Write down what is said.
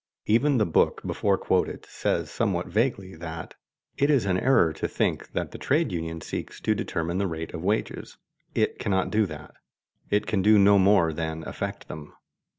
Even the book before quoted says somewhat vaguely that "it is an error to think that the trade union seeks to determine the rate of wages. It cannot do that. It can do no more than affect them."